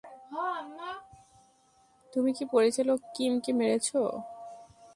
তুমি কি পরিচালক কিমকে মেরেছ?